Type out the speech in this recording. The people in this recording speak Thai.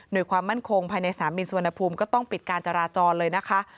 โดยความมั่นคงภายในสนามบินสุวรรณภูมิก็ต้องปิดการจราจรเลยนะคะ